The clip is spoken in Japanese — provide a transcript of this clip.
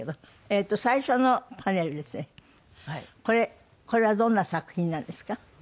これこれはどんな作品なんですか？